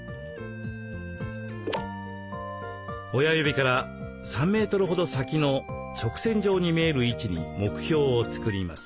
親指から３メートルほど先の直線上に見える位置に目標を作ります。